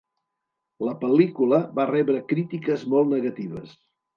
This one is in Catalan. La pel·lícula va rebre crítiques molt negatives.